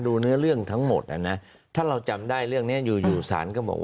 ดูเนื้อเรื่องทั้งหมดละนะ